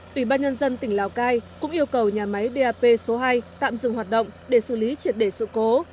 ủy ban nhân dân tỉnh lào cai cũng yêu cầu nhà máy dap số hai tạm dừng hoạt động để xử lý triệt đề sự cố